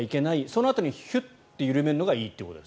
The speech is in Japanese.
そのあと、ヒュッと緩めるのがいいと。